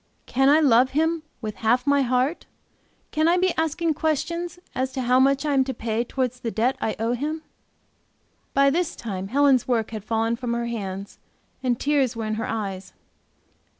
Can I love Him with half my heart? Can I be asking questions as to how much I am to pay towards the debt I owe Him?" By this time Helen's work had fallen from her hands and tears were in her eyes.